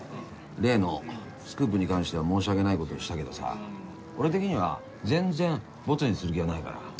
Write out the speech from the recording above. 例のスクープに関しては申し訳ないことをしたけどさ俺的には全然ボツにする気はないから。